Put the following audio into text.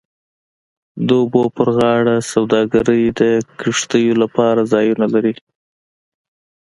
د اوبو پر غاړه سوداګرۍ د کښتیو لپاره ځایونه لري